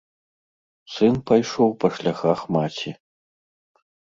Сын пайшоў па шляхах маці.